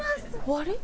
終わり？